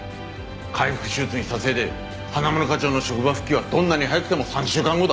開腹手術にしたせいで花村課長の職場復帰はどんなに早くても３週間後だ。